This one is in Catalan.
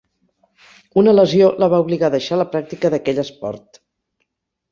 Una lesió la va obligar a deixar la pràctica d'aquell esport.